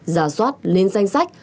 giả soát lên danh sách